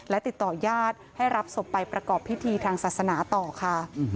และติดต่อญาติให้รับศพไปประกอบพิธีทางศาสนาต่อค่ะ